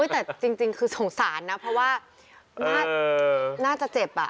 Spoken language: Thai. แต่จริงคือสงสารนะเพราะว่าน่าจะเจ็บ